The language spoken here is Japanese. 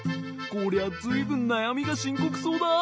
こりゃずいぶんなやみがしんこくそうだ。